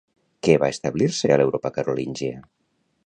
Què va establir-se a l'Europa carolíngia?